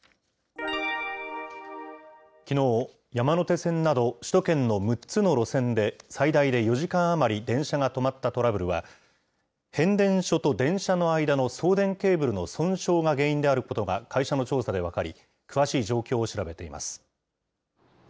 きのう、山手線など首都圏の６つの路線で最大で４時間余り電車が止まったトラブルは、変電所と電車の間の送電ケーブルの損傷が原因であることが会社の調査で分かり、詳しい状況を調べています。